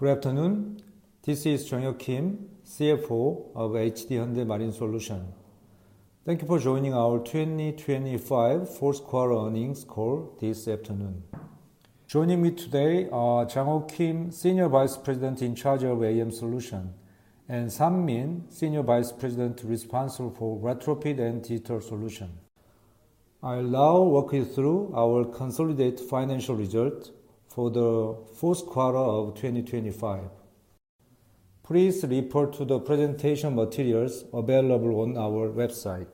Good afternoon. This is Jung-hyuk Kim, CFO of HD Hyundai Marine Solution. Thank you for joining our 2025 fourth quarter earnings call this afternoon. Joining me today are Jang-Ho Kim, Senior Vice President in charge of AM Solutions, and San Min, Senior Vice President responsible for Retrofit and Digital Solutions. I'll now walk you through our consolidated financial results for the fourth quarter of 2025. Please refer to the presentation materials available on our website.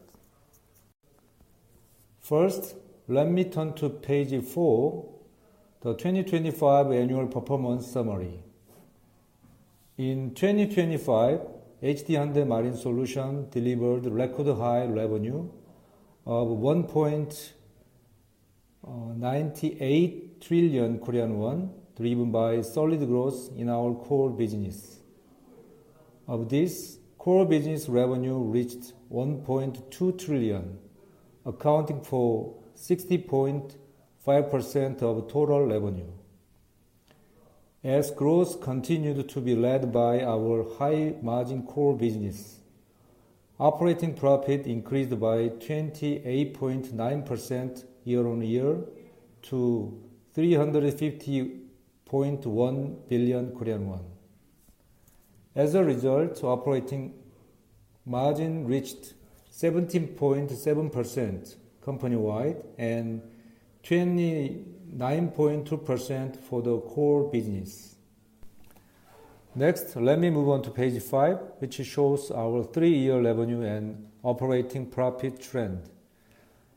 First, let me turn to page four, the 2025 annual performance summary. In 2025, HD Hyundai Marine Solution delivered record high revenue of 1.98 trillion Korean won, driven by solid growth in our core business. Of this, core business revenue reached 1.2 trillion, accounting for 60.5% of total revenue. As growth continued to be led by our high-margin core business, operating profit increased by 28.9% year-on-year to 350.1 billion Korean won. As a result, operating margin reached 17.7% company-wide and 29.2% for the core business. Next, let me move on to page five, which shows our three-year revenue and operating profit trend.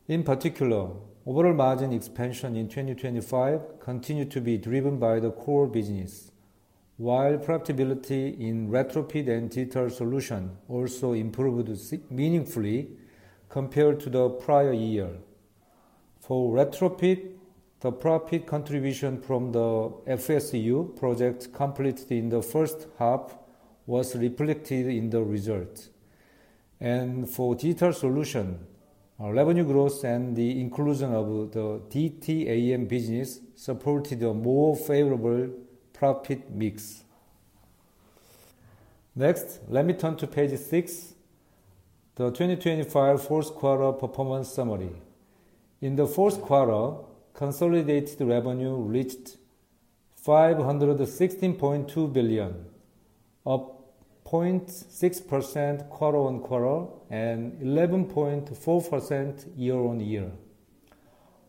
In particular, overall margin expansion in 2025 continued to be driven by the core business, while profitability in Green Retrofit and Digital Solutions also improved meaningfully compared to the prior year. For Green Retrofit, the profit contribution from the FSU project completed in the first half was reflected in the results. For Digital Solutions, revenue growth and the inclusion of the DTAM business supported a more favorable profit mix. Next, let me turn to page six, the 2025 fourth quarter performance summary. In the fourth quarter, consolidated revenue reached 516.2 billion, up 0.6% quarter-on-quarter and 11.4% year-on-year.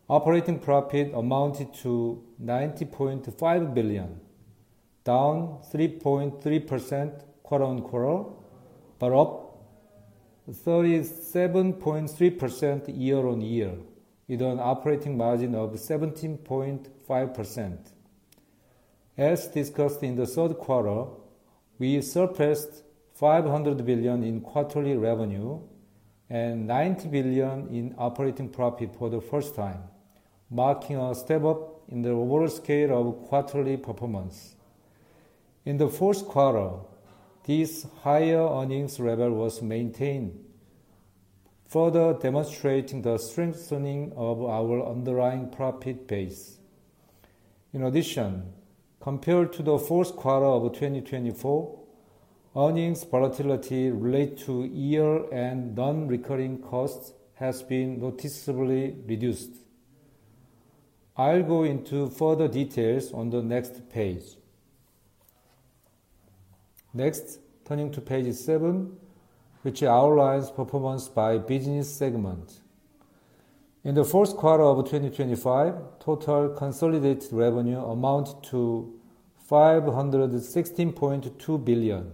Operating profit amounted to 90.5 billion, down 3.3% quarter-on-quarter but up 37.3% year-on-year, with an operating margin of 17.5%. As discussed in the third quarter, we surpassed 500 billion in quarterly revenue and 90 billion in operating profit for the first time, marking a step up in the overall scale of quarterly performance. In the fourth quarter, this higher earnings level was maintained, further demonstrating the strengthening of our underlying profit base. In addition, compared to the fourth quarter of 2024, earnings volatility related to year-end non-recurring costs has been noticeably reduced. I'll go into further details on the next page. Next, turning to page seven, which outlines performance by business segment. In the fourth quarter of 2025, total consolidated revenue amounted to 516.2 billion,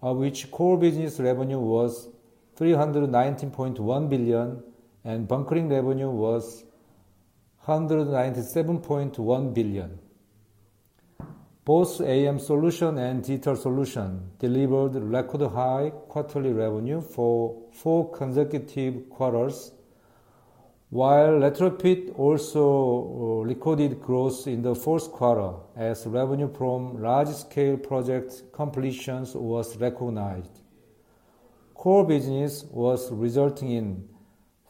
of which core business revenue was 319.1 billion and bunkering revenue was 197.1 billion. Both AM Solutions and Digital Solutions delivered record high quarterly revenue for four consecutive quarters, while retrofit also recorded growth in the fourth quarter as revenue from large-scale project completions was recognized. Core business was resulting in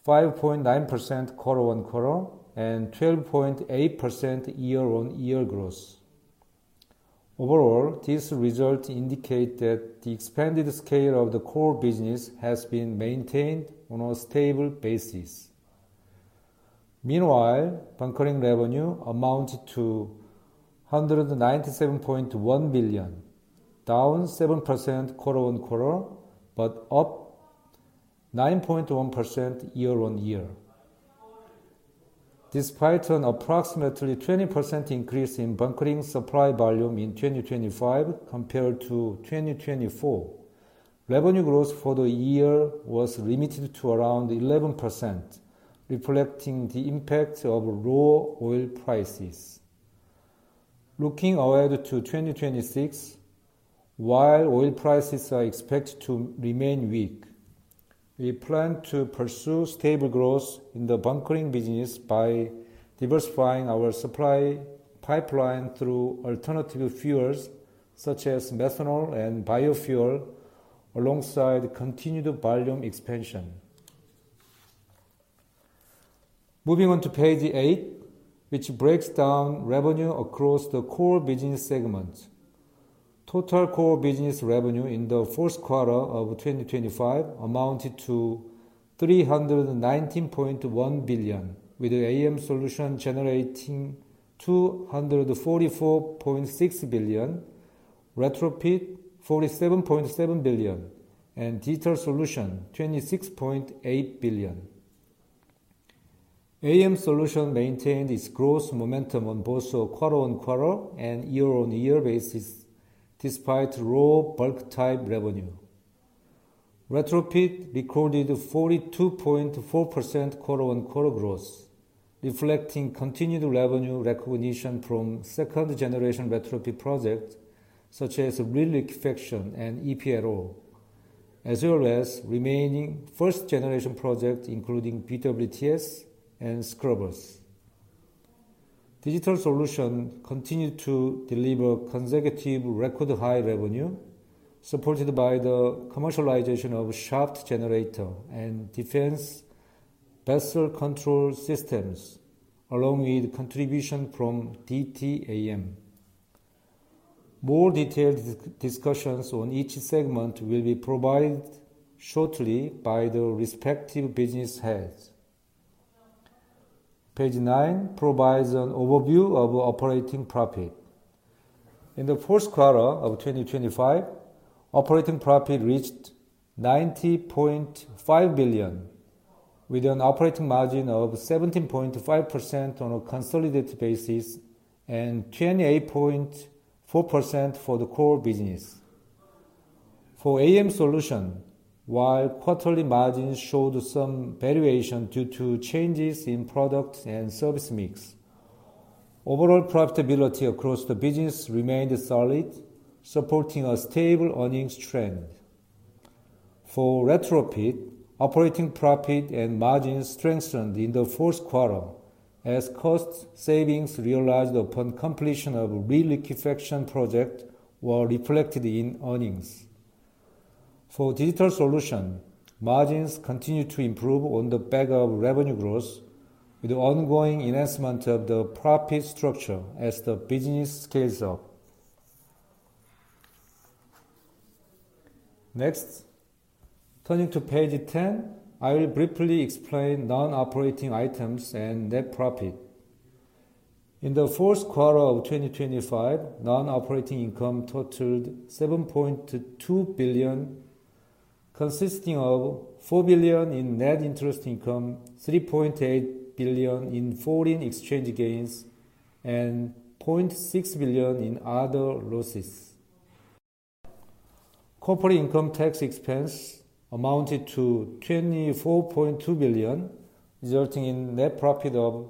5.9% quarter-on-quarter and 12.8% year-on-year growth. Overall, these results indicate that the expanded scale of the core business has been maintained on a stable basis. Meanwhile, bunkering revenue amounted to 197.1 billion, down 7% quarter-on-quarter but up 9.1% year-on-year. Despite an approximately 20% increase in bunkering supply volume in 2025 compared to 2024, revenue growth for the year was limited to around 11%, reflecting the impact of low oil prices. Looking ahead to 2026, while oil prices are expected to remain weak, we plan to pursue stable growth in the bunkering business by diversifying our supply pipeline through alternative fuels such as methanol and biofuel, alongside continued volume expansion. Moving on to page eight, which breaks down revenue across the core business segments. Total core business revenue in the fourth quarter of 2025 amounted to 319.1 billion, with AM Solution generating 244.6 billion, Retrofit 47.7 billion, and Digital Solution 26.8 billion. AM Solution maintained its growth momentum on both a quarter-on-quarter and year-on-year basis despite low bulk-type revenue. Retrofit recorded 42.4% quarter-on-quarter growth, reflecting continued revenue recognition from second-generation Retrofit projects such as Reliquefaction and EPLO, as well as remaining first-generation projects including BWTS and Scrubbers. Digital Solutions continued to deliver consecutive record high revenue, supported by the commercialization of Shaft Generator and Defense Vessel Control Systems, along with contribution from DTAM. More detailed discussions on each segment will be provided shortly by the respective business heads. Page nine provides an overview of operating profit. In the fourth quarter of 2025, operating profit reached 90.5 billion, with an operating margin of 17.5% on a consolidated basis and 28.4% for the core business. For AM Solutions, while quarterly margins showed some variation due to changes in product and service mix, overall profitability across the business remained solid, supporting a stable earnings trend. For Green Retrofit, operating profit and margins strengthened in the fourth quarter as cost savings realized upon completion of Reliquefaction project were reflected in earnings. For Digital Solution, margins continued to improve on the back of revenue growth, with ongoing enhancement of the profit structure as the business scales up. Next, turning to page 10, I'll briefly explain non-operating items and net profit. In the fourth quarter of 2025, non-operating income totaled 7.2 billion, consisting of 4 billion in net interest income, 3.8 billion in foreign exchange gains, and 0.6 billion in other losses. Corporate income tax expense amounted to 24.2 billion, resulting in net profit of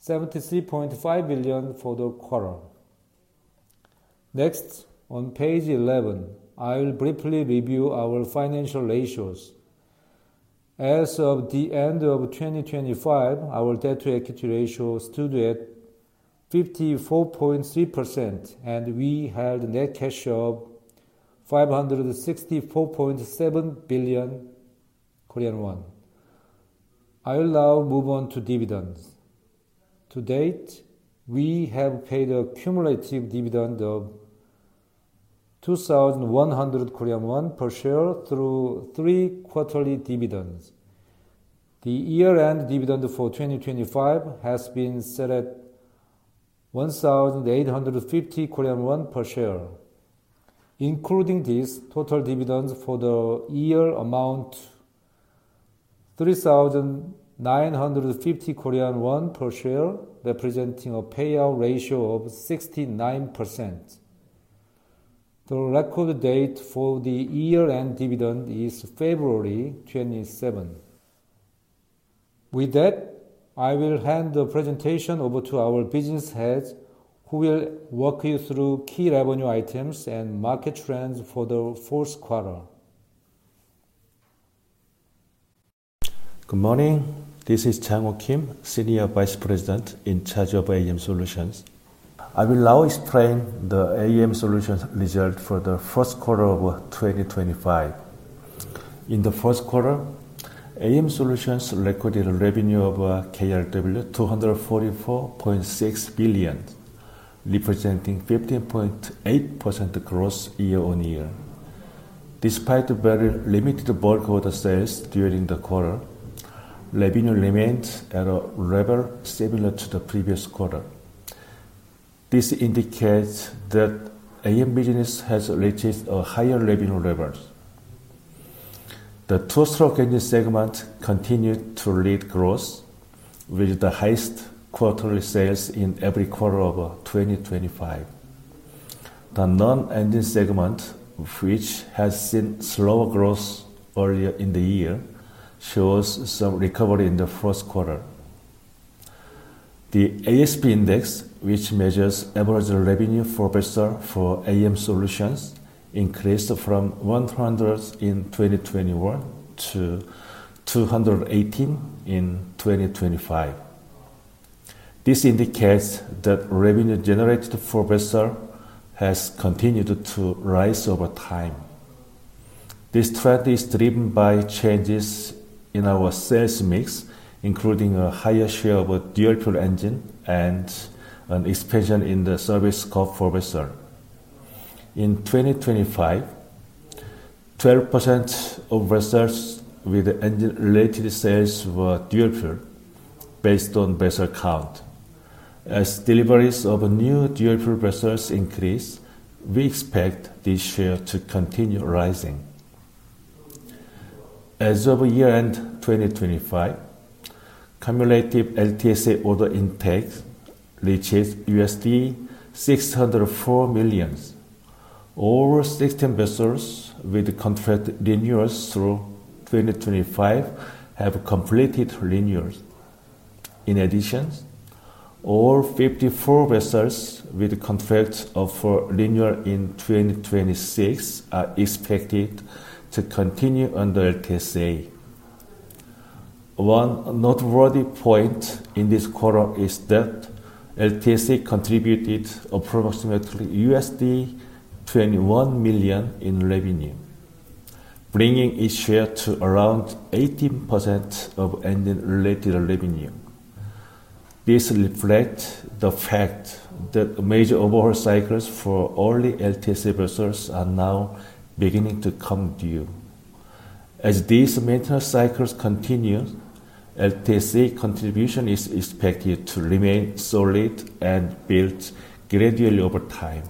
73.5 billion for the quarter. Next, on page 11, I'll briefly review our financial ratios. As of the end of 2025, our debt-to-equity ratio stood at 54.3%, and we had net cash flow of KRW 564.7 billion. I'll now move on to dividends. To date, we have paid a cumulative dividend of 2,100 Korean won per share through three quarterly dividends. The year-end dividend for 2025 has been set at 1,850 Korean won per share. Including this, total dividends for the year amount to 3,950 Korean won per share, representing a payout ratio of 69%. The record date for the year-end dividend is February 27. With that, I will hand the presentation over to our business heads, who will walk you through key revenue items and market trends for the fourth quarter. Good morning. This is Jang Hyo Kim, Senior Vice President in charge of AM Solutions. I will now explain the AM Solutions results for the first quarter of 2025. In the first quarter, AM Solutions recorded revenue of KRW 244.6 billion, representing 15.8% growth year-over-year. Despite very limited bulk order sales during the quarter, revenue remained at a level similar to the previous quarter. This indicates that AM business has reached a higher revenue level. The two-stroke engine segment continued to lead growth, with the highest quarterly sales in every quarter of 2025. The non-engine segment, which has seen slower growth earlier in the year, shows some recovery in the first quarter. The ASP index, which measures average revenue per vessel for AM Solutions, increased from 100 in 2021 to 218 in 2025. This indicates that revenue generated per vessel has continued to rise over time. This trend is driven by changes in our sales mix, including a higher share of dual fuel engine and an expansion in the service scope for vessel. In 2025, 12% of vessels with engine-related sales were dual fuel, based on vessel count. As deliveries of new dual fuel vessels increase, we expect this share to continue rising. As of year-end 2025, cumulative LTSA order intake reached $604 million. All 16 vessels with contract renewals through 2025 have completed renewals. In addition, all 54 vessels with contract for renewal in 2026 are expected to continue under LTSA. One noteworthy point in this quarter is that LTSA contributed approximately $21 million in revenue, bringing its share to around 18% of engine-related revenue. This reflects the fact that major overhaul cycles for early LTSA vessels are now beginning to come due. As these maintenance cycles continue, LTSA contribution is expected to remain solid and build gradually over time.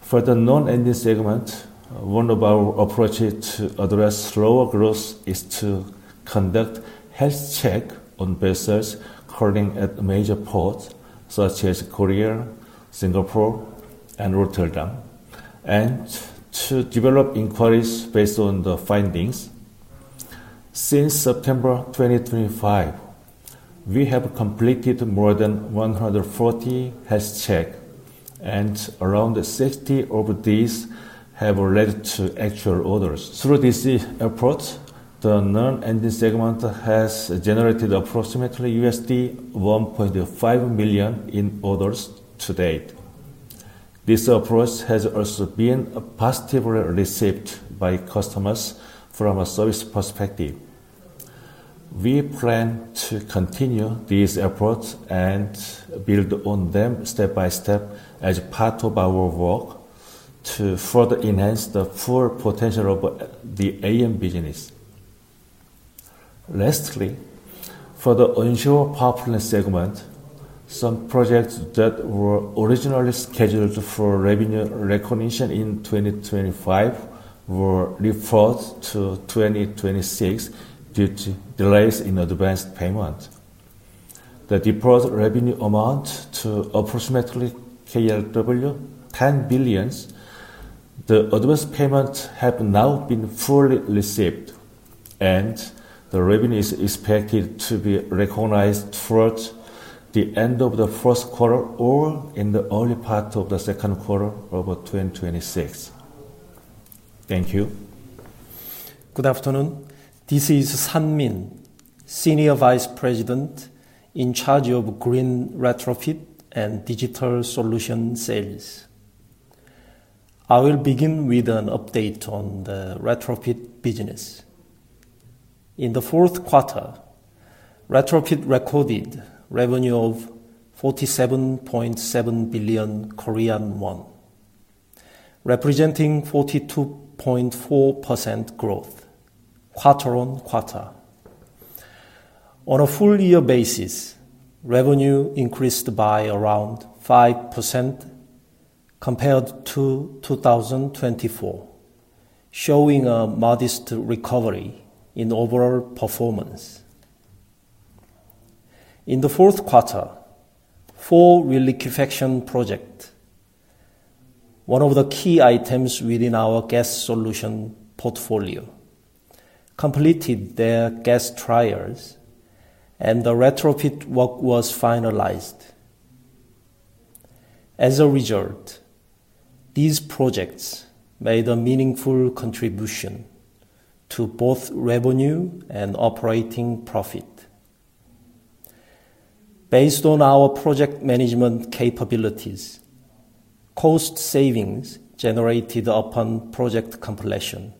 For the non-engine segment, one of our approaches to address slower growth is to conduct health checks on vessels calling at major ports such as Korea, Singapore, and Rotterdam, and to develop inquiries based on the findings. Since September 2025, we have completed more than 140 health checks, and around 60 of these have led to actual orders. Through this approach, the non-engine segment has generated approximately $1.5 million in orders to date. This approach has also been a positive reception by customers from a service perspective. We plan to continue these approaches and build on them step by step as part of our work to further enhance the full potential of the AM business. Lastly, for the onshore power plant segment, some projects that were originally scheduled for revenue recognition in 2025 were deferred to 2026 due to delays in advance payment. The deferred revenue amount to approximately 10 billion. The advance payments have now been fully received, and the revenue is expected to be recognized towards the end of the first quarter or in the early part of the second quarter of 2026. Thank you. Good afternoon. This is San Min, Senior Vice President in charge of Green Retrofit and Digital Solutions Sales. I will begin with an update on the Retrofit business. In the fourth quarter, Retrofit recorded revenue of KRW 47.7 billion, representing 42.4% growth quarter-over-quarter. On a full-year basis, revenue increased by around 5% compared to 2024, showing a modest recovery in overall performance. In the fourth quarter, four Reliquefaction projects, one of the key items within our gas solution portfolio, completed their gas trials, and the Retrofit work was finalized. As a result, these projects made a meaningful contribution to both revenue and operating profit. Based on our project management capabilities, cost savings generated upon project completion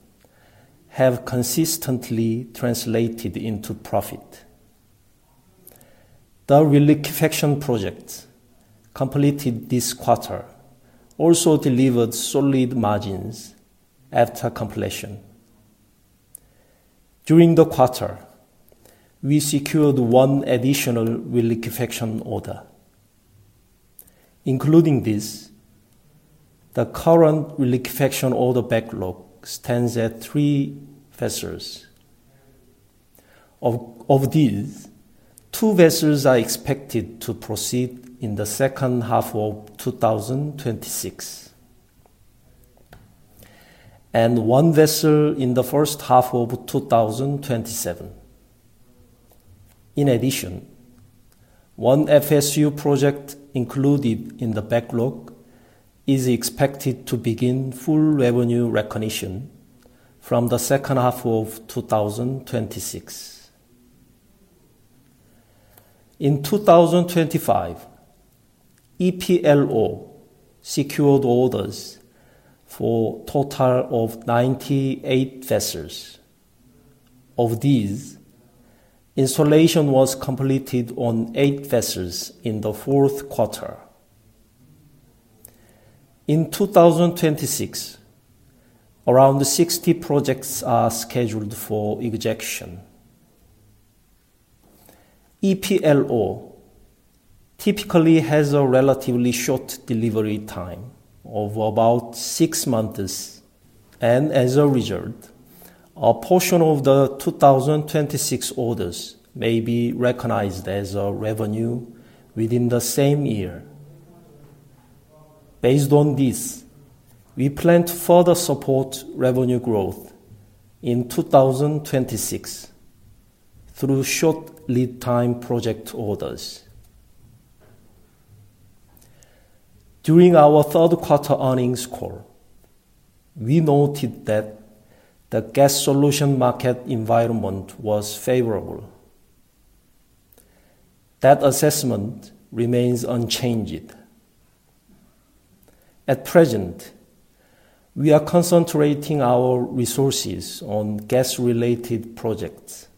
have consistently translated into profit. The Reliquefaction projects completed this quarter also delivered solid margins after completion. During the quarter, we secured one additional Reliquefaction order. Including this, the current Reliquefaction order backlog stands at three vessels. Of these, two vessels are expected to proceed in the second half of 2026, and one vessel in the first half of 2027. In addition, one FSU project included in the backlog is expected to begin full revenue recognition from the second half of 2026. In 2025, EPLO secured orders for a total of 98 vessels. Of these, installation was completed on eight vessels in the fourth quarter. In 2026, around 60 projects are scheduled for execution. EPLO typically has a relatively short delivery time of about six months, and as a result, a portion of the 2026 orders may be recognized as revenue within the same year. Based on this, we plan to further support revenue growth in 2026 through short lead-time project orders. During our third quarter earnings call, we noted that the gas solution market environment was favorable. That assessment remains unchanged. At present, we are concentrating our resources on gas-related projects,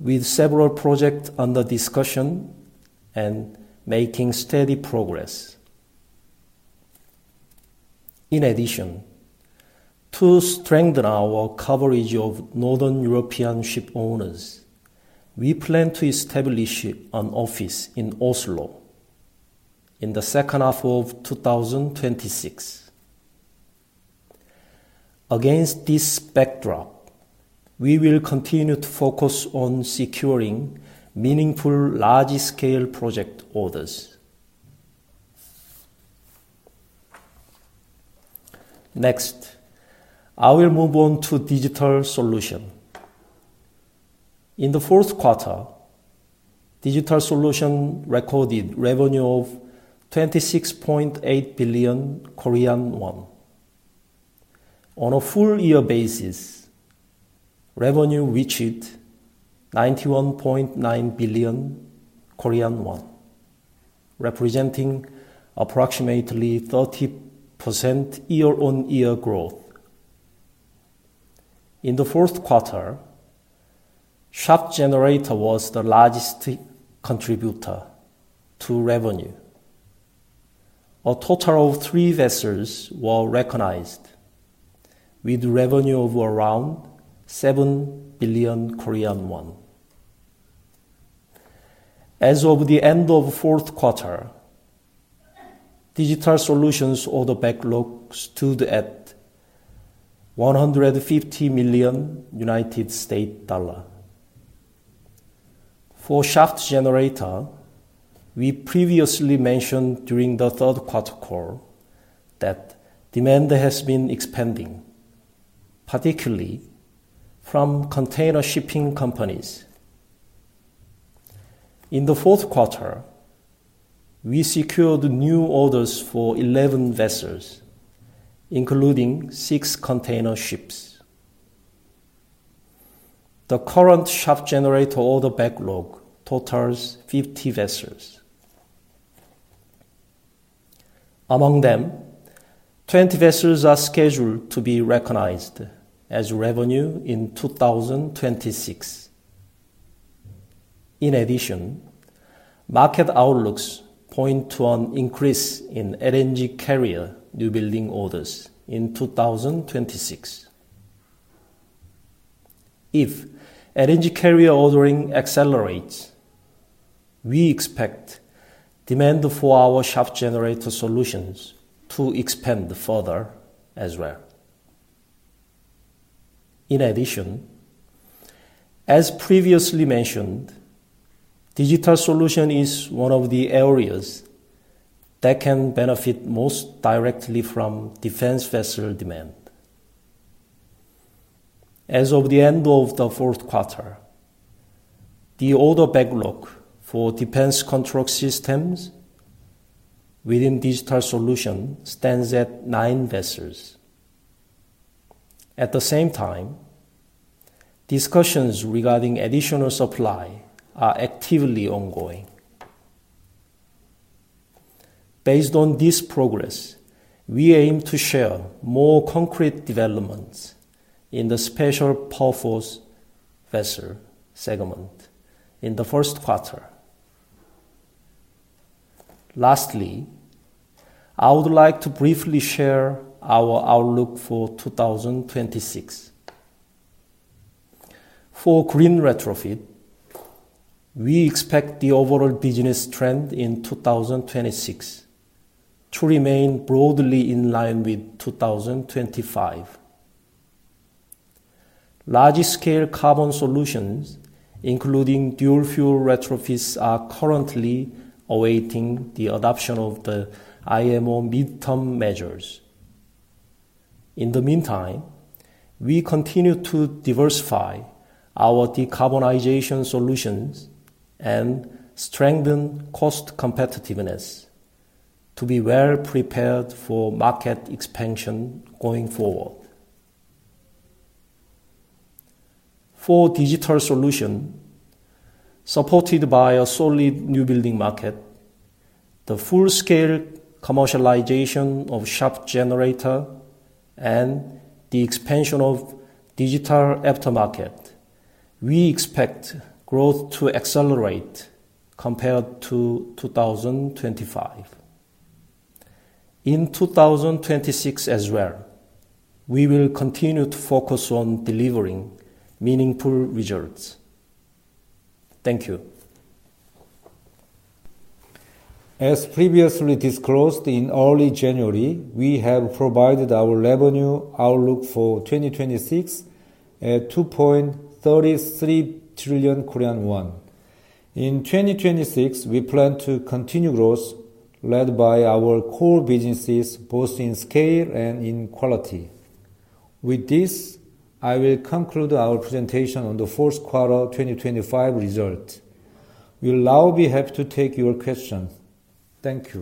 with several projects under discussion and making steady progress. In addition, to strengthen our coverage of Northern European ship owners, we plan to establish an office in Oslo in the second half of 2026. Against this backdrop, we will continue to focus on securing meaningful large-scale project orders. Next, I will move on to Digital Solution. In the fourth quarter, Digital Solution recorded revenue of 26.8 billion Korean won. On a full-year basis, revenue reached 91.9 billion Korean won, representing approximately 30% year-on-year growth. In the fourth quarter, Shaft Generator was the largest contributor to revenue. A total of three vessels were recognized, with revenue of around 7 billion Korean won. As of the end of the fourth quarter, Digital Solutions' order backlog stood at $150 million. For Shaft Generator, we previously mentioned during the third quarter call that demand has been expanding, particularly from container shipping companies. In the fourth quarter, we secured new orders for 11 vessels, including 6 container ships. The current Shaft Generator order backlog totals 50 vessels. Among them, 20 vessels are scheduled to be recognized as revenue in 2026. In addition, market outlooks point to an increase in LNG carrier new building orders in 2026. If LNG carrier ordering accelerates, we expect demand for our Shaft Generator solutions to expand further as well. In addition, as previously mentioned, Digital Solution is one of the areas that can benefit most directly from defense vessel demand. As of the end of the fourth quarter, the order backlog for Defense Contract Systems within Digital Solution stands at 9 vessels. At the same time, discussions regarding additional supply are actively ongoing. Based on this progress, we aim to share more concrete developments in the special power force vessel segment in the first quarter. Lastly, I would like to briefly share our outlook for 2026. For Green Retrofit, we expect the overall business trend in 2026 to remain broadly in line with 2025. Large-scale carbon solutions, including dual fuel retrofits, are currently awaiting the adoption of the IMO mid-term measures. In the meantime, we continue to diversify our decarbonization solutions and strengthen cost competitiveness to be well-prepared for market expansion going forward. For Digital Solution, supported by a solid new building market, the full-scale commercialization of Shaft Generator, and the expansion of Digital aftermarket, we expect growth to accelerate compared to 2025. In 2026 as well, we will continue to focus on delivering meaningful results. Thank you. As previously disclosed in early January, we have provided our revenue outlook for 2026 at 2.33 trillion Korean won. In 2026, we plan to continue growth led by our core businesses both in scale and in quality. With this, I will conclude our presentation on the fourth quarter 2025 result. We'll now be happy to take your questions. Thank you.